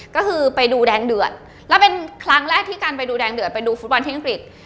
ก็คือไปดูแดงเดือดแล้วเป็นครั้งแรกที่การไปดูแดงเดือดไปดูฟุตบอลที่อังกฤษ